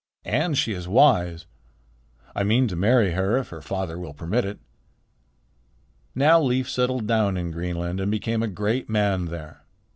And she is wise. I mean to marry her, if her father will permit it." Now Leif settled down in Greenland and became a great man there.